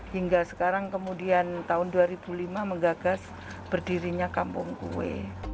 hingga sekarang kemudian tahun dua ribu lima menggagas berdirinya kampung kue